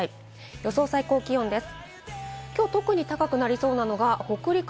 予想最高気温です。